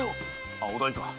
あお代か。